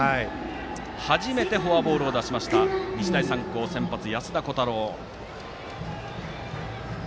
初めてフォアボールを出しました日大三高、先発の安田虎汰郎。